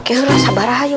oke dulu lah sabar aja